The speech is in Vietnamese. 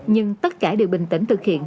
nhưng tất cả đều bình tĩnh thực hiện